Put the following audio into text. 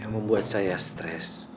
membuat saya stres